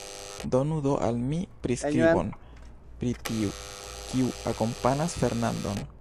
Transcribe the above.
Donu do al mi priskribon pri tiu, kiu akompanas Fernandon.